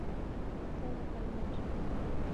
تۀ لکه لمر !